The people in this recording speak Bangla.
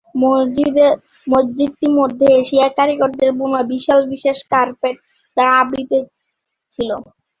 মসজিদটি মধ্য এশিয়ার কারিগরদের বোনা বিশাল বিশেষ কার্পেট দ্বারা আবৃত ছিল।